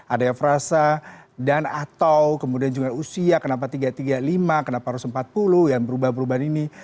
ada yang frasa dan atau kemudian juga usia kenapa tiga ratus tiga puluh lima kenapa harus empat puluh yang berubah berubah ini